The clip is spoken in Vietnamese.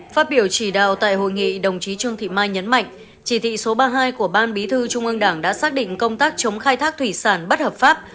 phát biểu chỉ đạo tại hội nghị đồng chí trương thị mai nhấn mạnh chỉ thị số ba mươi hai của ban bí thư trung ương đảng đã xác định công tác chống khai thác thủy sản bất hợp pháp